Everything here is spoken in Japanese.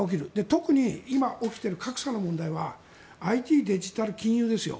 特に、今起きている格差の問題はＩＴ、デジタル、金融ですよ。